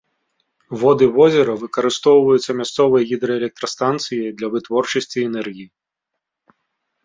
Воды возера выкарыстоўваюцца мясцовай гідраэлектрастанцый для вытворчасці энергіі.